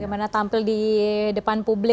bagaimana tampil di depan publik